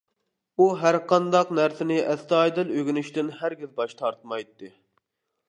ئۇ ھەرقانداق نەرسىنى ئەستايىدىل ئۆگىنىشتىن ھەرگىز باش تارتمايتتى.